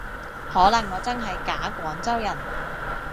可能我真係假廣州人